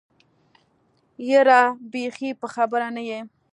يره بېخي په خبره نه يې.